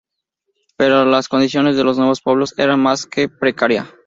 Pero las condiciones de los nuevos pueblos era más que precaria.